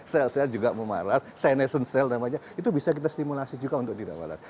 sel sel juga memalas signation cell namanya itu bisa kita stimulasi juga untuk tidak malas